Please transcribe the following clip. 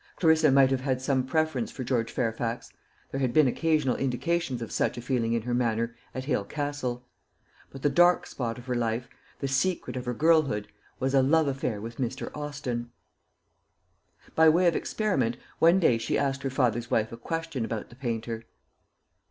Clarissa might have had some preference for George Fairfax; there had been occasional indications of such a feeling in her manner at Hale Castle; but the dark spot of her life, the secret of her girlhood, was a love affair with Mr. Austin. By way of experiment, one day she asked her father's wife a question about the painter.